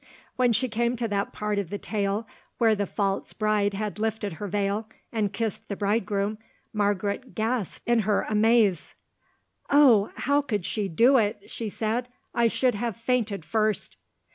When she came to that part of the tale where the false bride had lifted her veil and kissed the bridegroom, Margaret gasped in her amaze. "Oh! how could she do it?" she said, "I should have fainted first."